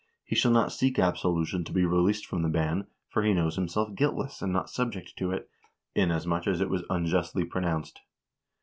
He shall not seek absolution to be released from the ban, for he knows himself guiltless and not subject to it, inasmuch as it was unjustly pronounced.'